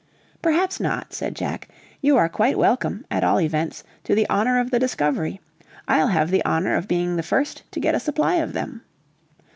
"Perhaps not," said Jack, "you are quite welcome, at all events, to the honor of the discovery; I'll have the honor of being the first to get a supply of them."